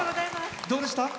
どうでした？